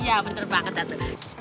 iya bener banget datu